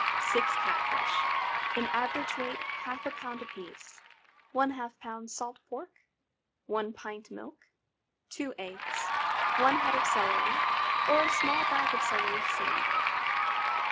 6 cat fish, in average weight half a pound apiece. ½ lb. salt pork. 1 pint milk. 2 eggs. 1 head of celery, or a small bag of celery seed.